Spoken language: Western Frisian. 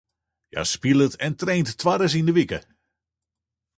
Hja spilet en traint twaris yn de wike.